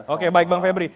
oke baik bang febri